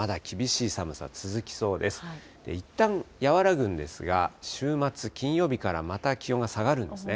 いったん、和らぐんですが、週末、金曜日からまた気温が下がるんですね。